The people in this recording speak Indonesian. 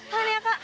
tahan ya kak